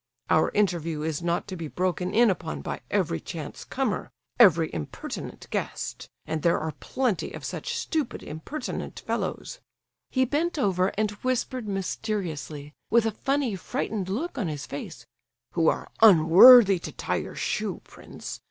Our interview is not to be broken in upon by every chance comer, every impertinent guest—and there are plenty of such stupid, impertinent fellows"—(he bent over and whispered mysteriously, with a funny, frightened look on his face)—"who are unworthy to tie your shoe, prince.